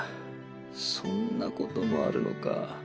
そんなこともあるのか。